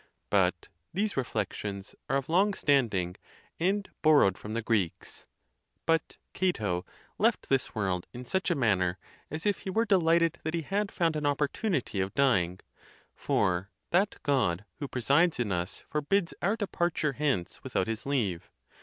But these reflections are of long standing, and borrowed from the Greeks. But Cato left this world in such a manner as if he were de lighted that he had found an opportunity of dying; for that God who presides in us forbids our departure hence without his leave.